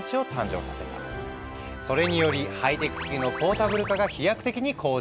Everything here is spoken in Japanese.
それによりハイテク機器のポータブル化が飛躍的に向上。